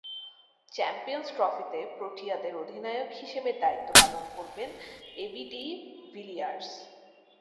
Champions ট্রফিতে প্রোটিয়াদের অধিনায়ক হিসেবে দায়িত্ব পালন করবেন এবি ডি ভিলিয়ার্স।